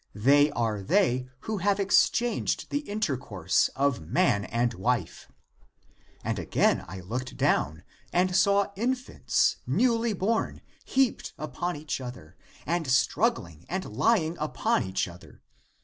They are they who have exchanged the intercourse of man and wife. And again I looked down, and saw infants (newly born) heaped upon each other, and struggling and lying upon each other.